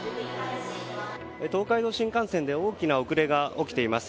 東海道新幹線で大きな遅れが起きています。